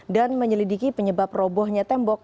dan menyelidiki penyebab robohnya tembok